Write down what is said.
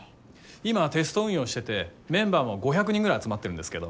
今テスト運用しててメンバーも５００人ぐらい集まってるんですけど。